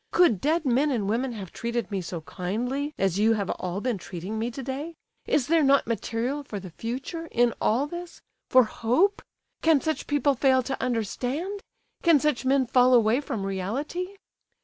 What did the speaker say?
Could dead men and women have treated me so kindly as you have all been treating me to day? Is there not material for the future in all this—for hope? Can such people fail to understand? Can such men fall away from reality?"